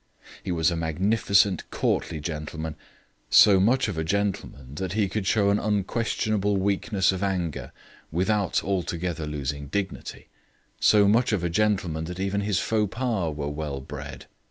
He was a magnificent courtly gentleman; so much of a gentleman that he could show an unquestionable weakness of anger without altogether losing dignity; so much of a gentleman that even his faux pas were well bred.